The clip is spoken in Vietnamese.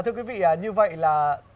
thưa quý vị như vậy là